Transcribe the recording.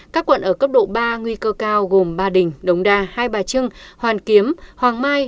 các quận ở cấp độ ba nguy cơ cao gồm ba đình đống đa hai bà trưng hoàn kiếm hoàng mai